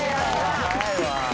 早いわ。